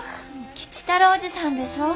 吉太郎伯父さんでしょう？